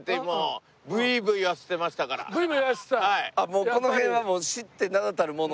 もうこの辺は知って名だたるもの？